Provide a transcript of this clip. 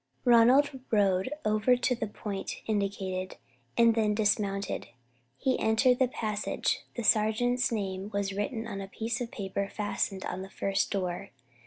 Ronald rode over to the point indicated, and then dismounted. He entered the passage. The sergeant's name was written on a piece of paper fastened on the first door.